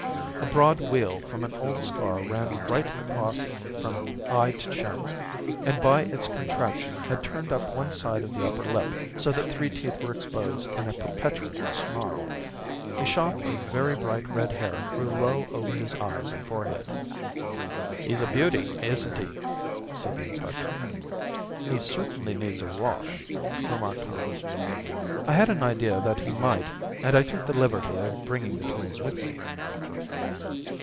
A broad wheal from an old scar ran right across it from eye to chin, and by its contraction had turned up one side of the upper lip, so that three teeth were exposed in a perpetual snarl. A shock of very bright red hair grew low over his eyes and forehead. "He's a beauty, isn't he?" said the inspector. "He certainly needs a wash," remarked Holmes. "I had an idea that he might, and I took the liberty of bringing the tools with me."